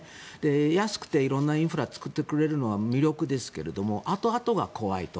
安くて色んなインフラを作ってくれるのは魅力ですがあとあとが怖いと。